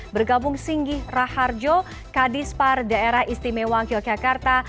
bergabung singgih raharjo kadispar daerah istimewa yogyakarta